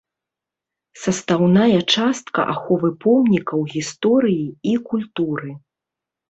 Састаўная частка аховы помнікаў гісторыі і культуры.